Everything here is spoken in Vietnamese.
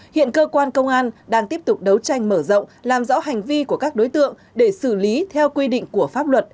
hiện cơ quan công an đang tiếp tục đấu tranh mở rộng làm rõ hành vi của các đối tượng để xử lý theo quy định của pháp luật